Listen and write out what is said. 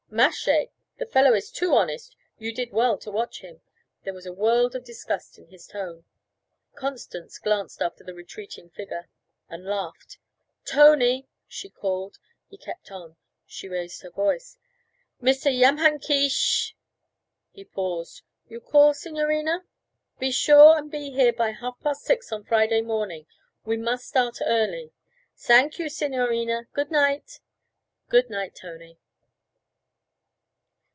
'Machè! The fellow is too honest; you do well to watch him.' There was a world of disgust in his tone. Constance glanced after the retreating figure and laughed. 'Tony!' she called. He kept on; she raised her voice. 'Mr. Yamhankeesh.' He paused. 'You call, signorina?' 'Be sure and be here by half past six on Friday morning; we must start early.' 'Sank you, signorina. Good night.' 'Good night, Tony.'